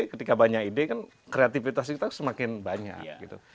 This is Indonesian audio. ketika banyak ide kreativitas kita semakin banyak